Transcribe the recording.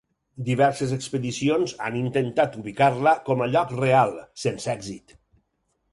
Diverses expedicions han intentat ubicar-la com a lloc real, sense èxit.